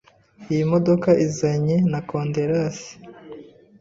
Iyi modoka izanye na konderasi.